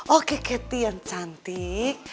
oke kety yang cantik